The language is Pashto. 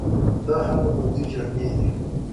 دا هغه پوځي جامي دي،